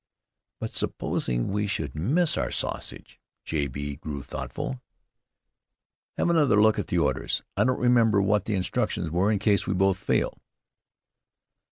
But supposing we should miss our sausage? J. B. grew thoughtful. "Have another look at the orders. I don't remember what the instructions were in case we both fail."